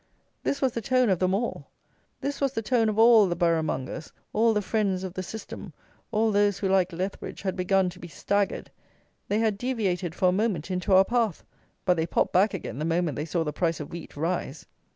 This was the tone of them all. This was the tone of all the borough mongers; all the friends of the System; all those, who, like Lethbridge, had begun to be staggered. They had deviated, for a moment, into our path! but they popped back again the moment they saw the price of wheat rise!